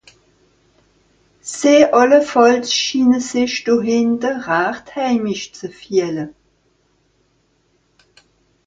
Sie àllefàlls schiine sich do hìnne rächt heimisch ze fìehle.